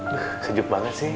duhh sejuk banget sih